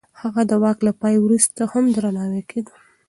هغه د واک له پای وروسته هم درناوی کېده.